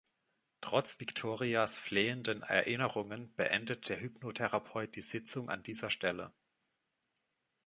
Trotz Victorias flehenden Erinnerungen beendet der Hypnotherapeut die Sitzung an dieser Stelle.